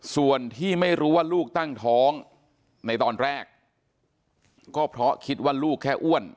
ส่วนที่ไม่รู้ว่าลูกตั้งท้องในตอนแรกก็เพราะคิดว่าลูกแค่อ้วน